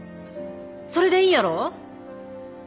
それでいいんやろ？